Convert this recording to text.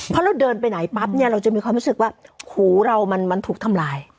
เพราะเราเดินไปไหนปั๊บเนี่ยเราจะมีความรู้สึกว่าหูเรามันถูกทำลาย